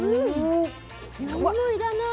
何も要らない。